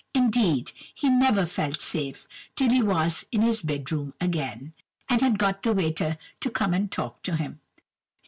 Indeed, he never felt safe till he was in his bed room again, and had got the waiter to come and talk to him.